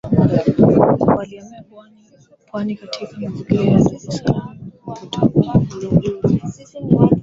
Walihamia pwani katika mazingira ya Dar es salaam kutoka Uluguru